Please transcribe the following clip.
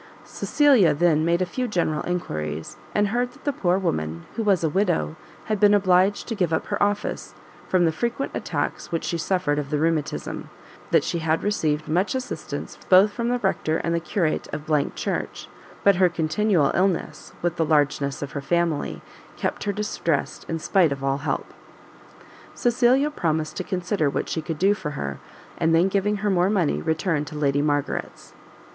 Cecilia then made a few general enquiries, and heard that the poor woman, who was a widow, had been obliged to give up her office, from the frequent attacks which she suffered of the rheumatism; that she had received much assistance both from the Rector and the Curate of Church, but her continual illness, with the largeness of her family, kept her distressed in spite of all help. Cecilia promised to consider what she could do for her, and then giving her more money, returned to Lady Margaret's.